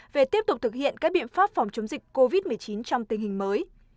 về tiếp tục thực hiện các biện pháp phòng chống dịch covid một mươi chín trong tình hình mới